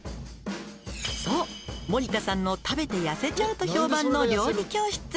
「そう森田さんの食べて痩せちゃうと評判の料理教室」